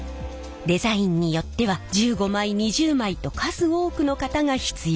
デザインによっては１５枚２０枚と数多くの型が必要。